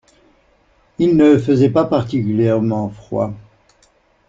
Il ne faisait pas particulièrement froid.